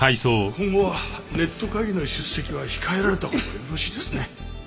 今後はネット会議の出席は控えられたほうがよろしいですね。